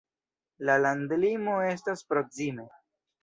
La landlimo estas proksime.